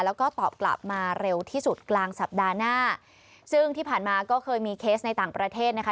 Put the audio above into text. แล้วก็ตอบกลับมาเร็วที่สุดกลางสัปดาห์หน้าซึ่งที่ผ่านมาก็เคยมีเคสในต่างประเทศนะคะ